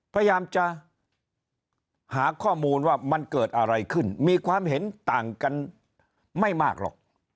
พยายามจะหาข้อมูลว่ามันเกิดอะไรขึ้นมีความเห็นต่างกันไม่มากหรอก